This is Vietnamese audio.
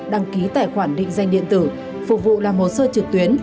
đăng ký tài khoản định danh điện tử phục vụ làm hồ sơ trực tuyến